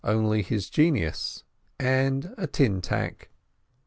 Only his genius and a tin tack.